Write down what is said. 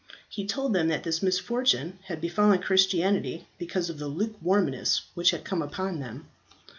He told them that this misfortune had befallen Christianity because of the lukewarmness which had come upon them.